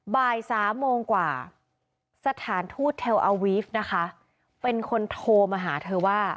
บาย๓โมงกว่าสถานทุทเทลอาวีฟนะคะเป็นคนโทรมาหาคุณนันว่า